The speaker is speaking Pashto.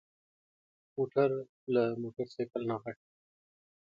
موټر د موټرسايکل نه غټ وي.